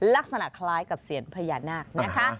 ลักษณะคล้ายกับเซียนพญานาคนะคะ